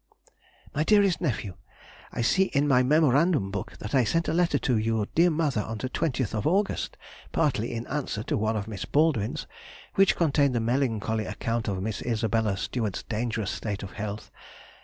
MY DEAREST NEPHEW,— I see by my memorandum book that I sent a letter to your dear mother on the 20th August, partly in answer to one of Miss Baldwin's, which contained the melancholy account of Miss Isabella [Stewart's] dangerous state of health.